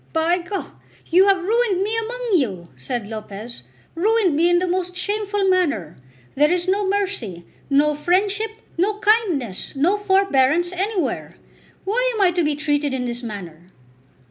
"By G , you have ruined me among you," said Lopez; "ruined me in the most shameful manner. There is no mercy, no friendship, no kindness, no forbearance anywhere! Why am I to be treated in this manner?"